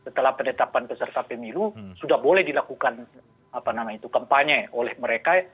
setelah penetapan peserta pemilu sudah boleh dilakukan kampanye oleh mereka